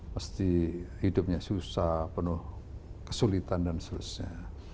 pasti hidupnya susah penuh kesulitan dan seterusnya